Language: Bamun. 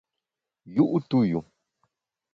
Yu’ tu yu.